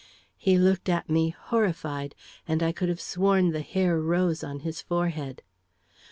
He looked at me, horrified, and I could have sworn the hair rose on his forehead.